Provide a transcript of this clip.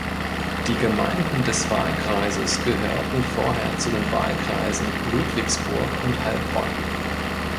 Die Gemeinden des Wahlkreises gehörten vorher zu den Wahlkreisen Ludwigsburg und Heilbronn.